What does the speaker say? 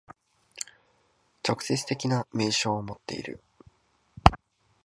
直接的な明証をもっている。